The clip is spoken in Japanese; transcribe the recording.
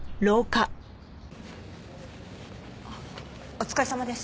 お疲れさまです。